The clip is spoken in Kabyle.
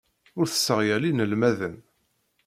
Ur tesseɣyal inelmaden.